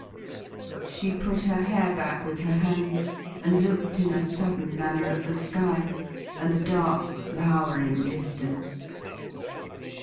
She put her hair back with her hand, and looked in a sudden manner at the sky, and the dark lowering distance.